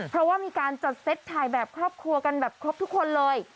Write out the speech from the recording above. เพราะว่ามีการจัดเซตถ่ายแบบครอบครัวกันแบบครบทุกคนเลย